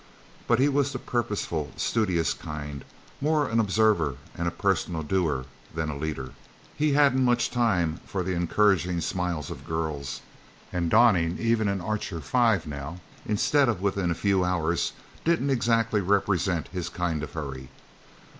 But he was the purposeful, studious kind, more an observer and a personal doer than a leader; he hadn't much time for the encouraging smiles of girls, and donning even an Archer Five now instead of within a few hours, didn't exactly represent his kind of hurry.